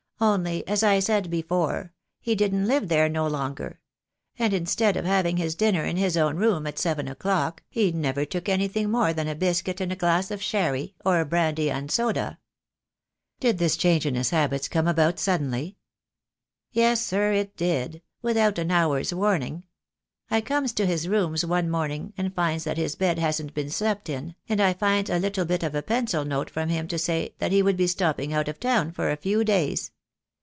Only, as I said before, he didn't live there no longer; and instead of having his dinner in his own room at seven o'clock, he never took anything more than a biscuit and a glass of sherry, or a brandy and soda." "Did this change in his habits come about suddenly?" "Yes, sir, it did; without an hour's warning. I comes to his rooms one morning and finds that his bed hasn't been slept in, and I finds a little bit of a pencil note from him to say that he would be stopping out of town for a few days.